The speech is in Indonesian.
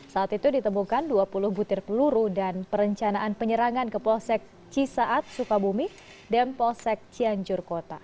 saat itu ditemukan dua puluh butir peluru dan perencanaan penyerangan ke polsek cisaat sukabumi dan polsek cianjur kota